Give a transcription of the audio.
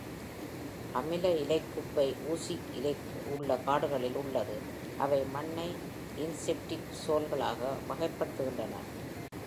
அமில இலைக் குப்பை ஊசியிலையுள்ள காடுகளில் உள்ளது, அவை மண்ணை இன்செப்டிசோல்களாக வகைப்படுத்துகின்றன.